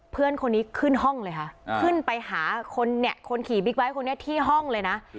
เพื่อนคนนี้ขึ้นห้องเลยค่ะขึ้นไปหาคนเนี่ยคนขี่บิ๊กไบท์คนนี้ที่ห้องเลยนะ